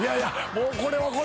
もうこれはこれはやな。